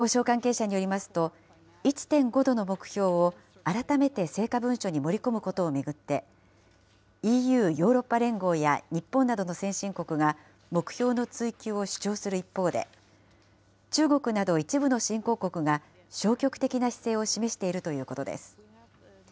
しかし、交渉関係者によりますと、１．５度の目標を改めて成果文書に盛り込むことを巡って、ＥＵ・ヨーロッパ連合や日本などの先進国が、目標の追求を主張する一方で、中国など一部の新興国が消極的な姿勢を示しているということです。